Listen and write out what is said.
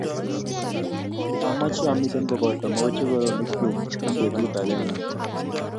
Amache amite kopoto mokochoronikyuk eng ni petut akenge